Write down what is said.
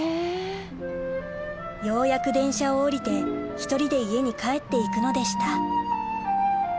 ようやく電車を降りて１人で家に帰って行くのでした